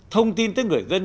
thông tin tới người dân